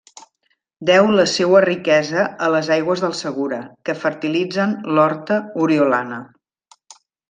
Deu la seua riquesa a les aigües del Segura que fertilitzen l'horta oriolana.